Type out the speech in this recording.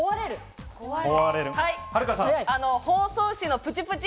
包装紙のプチプチ。